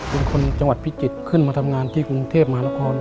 เป็นคนจังหวัดพิจิตรขึ้นมาทำงานที่กรุงเทพมหานคร